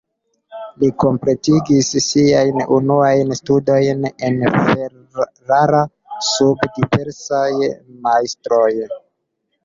Li kompletigis siajn unuajn studojn en Ferrara sub diversaj majstroj.